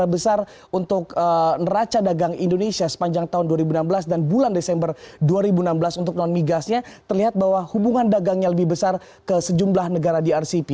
terbesar untuk neraca dagang indonesia sepanjang tahun dua ribu enam belas dan bulan desember dua ribu enam belas untuk non migasnya terlihat bahwa hubungan dagangnya lebih besar ke sejumlah negara di rcp